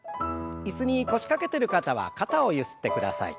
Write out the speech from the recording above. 椅子に腰掛けてる方は肩をゆすってください。